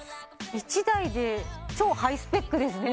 １台で超ハイスペックですね